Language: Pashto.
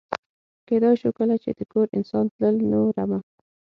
کېدای شو کله چې د کور انسان تلل، نو رمه.